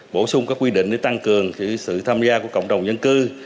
bổ sung các quy định để tăng cường sự tham gia của cộng đồng dân cư